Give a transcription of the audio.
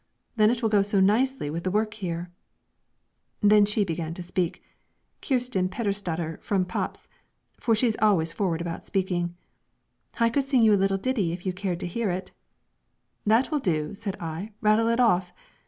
then it will go so nicely with the work here." Then she began to speak, Kirsten Pedersdatter from Paps, for she is always forward about speaking: "I could sing you a little ditty if you cared to hear it " "That we do," said I, "rattle it off!"